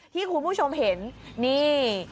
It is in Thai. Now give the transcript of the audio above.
ที่คุณผู้ชมเห็นนี่